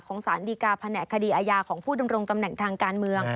สารดีการแผนกคดีอาญาของผู้ดำรงตำแหน่งทางการเมือง